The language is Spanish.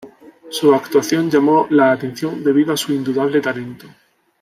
Su actuación llamó la atención debido a su indudable talento.